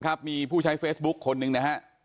ครับมีผู้ใช้เฟซบุ๊คคนหนึ่งนะฮะ